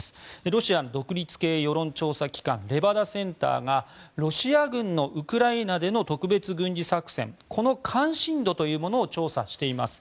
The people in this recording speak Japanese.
ロシアの独立系世論調査機関レバダセンターがロシア軍によるウクライナでの特別軍事作戦への関心度を調査しています。